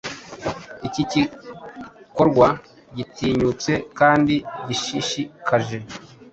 Iki nigikorwa gitinyutse kandi gishishikaje